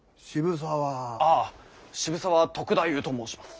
ああ渋沢篤太夫と申します。